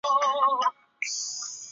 见说文。